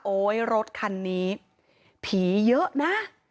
รถคันนี้ผีเยอะนะ